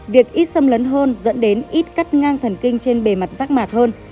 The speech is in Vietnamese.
việc ít xâm lấn hơn dẫn đến ít cắt ngang thần kinh trên bề mặt rác mạc hơn